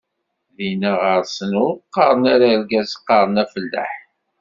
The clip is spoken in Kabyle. Dinna ɣer-sen ur qqaren ara argaz, qqaren afellaḥ.